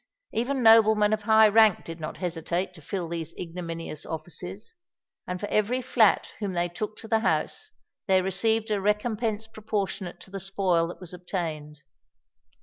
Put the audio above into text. Even noblemen of high rank did not hesitate to fill these ignominious offices; and for every flat whom they took to the house, they received a recompense proportionate to the spoil that was obtained.